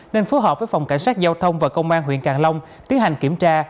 nên phối hợp với phòng cảnh sát giao thông và công an huyện càng long tiến hành kiểm tra